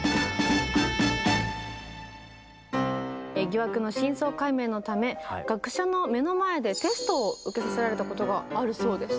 疑惑の真相解明のため学者の目の前でテストを受けさせられたことがあるそうです。